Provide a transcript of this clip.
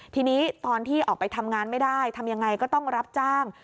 ทีนี้ตอนที่ออกไปทำงานไม่ได้ทำยังไงก็ต้องรับจ้าง